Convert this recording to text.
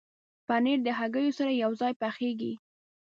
پنېر د هګیو سره یوځای پخېږي.